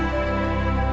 dia berusia lima belas tahun